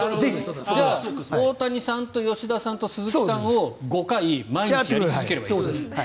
じゃあ大谷さんと吉田さんと鈴木さんを５回毎日押し続ければいいんですね。